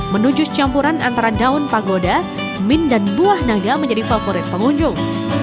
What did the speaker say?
menu jus campuran antara daun pagoda min dan buah naga menjadi favorit pengunjung